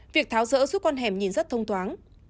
việc tháo rỡ giúp con hẻm nhìn rất thông thoáng